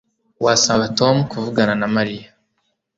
Wasaba Tom kuvugana na Mariya